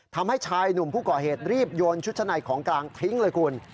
ทำให้ชายหนุ่มผู้ก่อเหตุรีบโยนชุดชั้นในของกลางทิ้งเลยคุณ